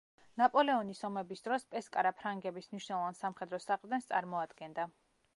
ნაპოლეონის ომების დროს, პესკარა ფრანგების მნიშვნელოვან სამხედრო საყრდენს წარმოადგენდა.